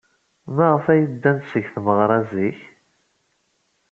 Maɣef ay ddant seg tmeɣra zik?